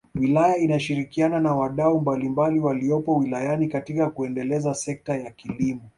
Wilaya inashirikiana na wadau mbalimbali waliopo wilayani katika kuendeleza sekta ya kilimo